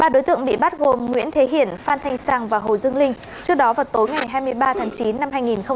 ba đối tượng bị bắt gồm nguyễn thế hiển phan thanh sang và hồ dương linh trước đó vào tối ngày hai mươi ba tháng chín năm hai nghìn hai mươi ba